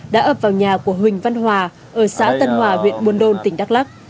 đã ập vào nhà của huỳnh văn hòa ở xã tân hòa huyện buôn đôn tỉnh đắk lắc